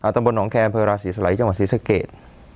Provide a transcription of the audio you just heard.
ตำบลหนองแครมเพราะเวลาศรีสะลัยจังหวัดศรีสะเกษ